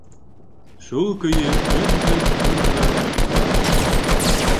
Шул көйө өнһөҙ-тынһыҙ оҙаҡ ята.